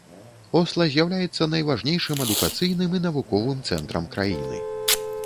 Осла з'яўляецца найважнейшым адукацыйным і навуковым цэнтрам краіны.